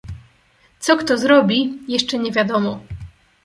"Co kto zrobi, jeszcze nie wiadomo."